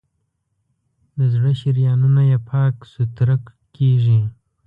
د زړه شریانونه یې پاک سوتړه کېږي.